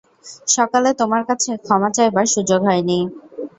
সকালে তোমার কাছে ক্ষমা চাইবার সুযোগ হয়নি।